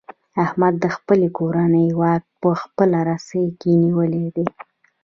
احمد د خپلې کورنۍ واک په خپله رسۍ کې نیولی دی.